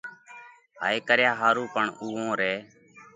ھائي ڪريا ۿارُو پڻ اُوئون رئہ